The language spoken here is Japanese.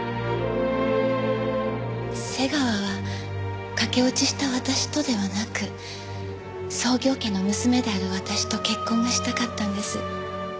瀬川は駆け落ちした私とではなく創業家の娘である私と結婚がしたかったんです。